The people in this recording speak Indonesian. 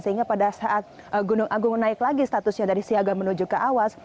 sehingga pada saat gunung agung naik lagi statusnya dari siaga menuju ke awas